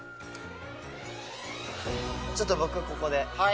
ちょっと僕ここで。